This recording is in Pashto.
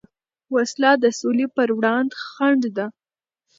وسله د سولې پروړاندې خنډ ده